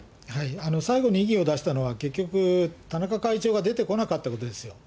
最後に異議を出したのは、結局、田中会長が出てこなかったことですよ。